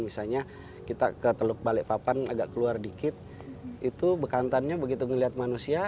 misalnya kita ke teluk balikpapan agak keluar dikit itu bekantannya begitu ngelihat manusia